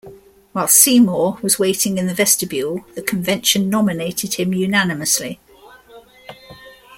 While Seymour was waiting in the vestibule, the convention nominated him unanimously.